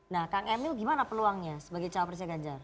nah kang emil gimana peluangnya sebagai cawapresnya ganjar